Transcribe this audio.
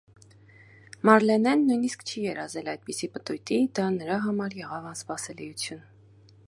Մարլենեն նույնիսկ չի երազել այդպիսի պտույտի, դա նրա համար եղավ, անսպասելիություն։